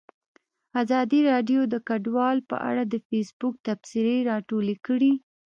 ازادي راډیو د کډوال په اړه د فیسبوک تبصرې راټولې کړي.